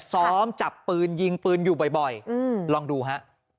ซ้อมจับปืนยิงปืนอยู่บ่อยลองดูฮะ